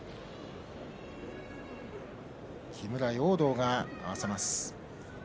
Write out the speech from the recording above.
木村容堂が合わせます。